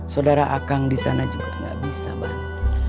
saudara akang disana juga gak bisa bantu